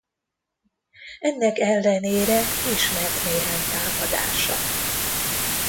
Ennek ellenére ismert néhány támadása.